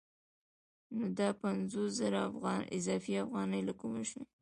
نو دا پنځوس زره اضافي افغانۍ له کومه شوې